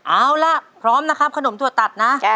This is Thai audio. เอาล่ะพร้อมนะครับขนมถั่วตัดนะ